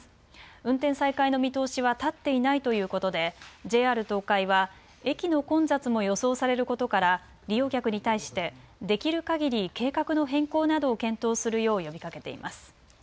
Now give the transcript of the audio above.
運転再開の見通しは立っていないということでＪＲ東海は駅の混雑も予想されることから利用客に対してできるかぎり計画の変更などを検討するよう呼びかけています。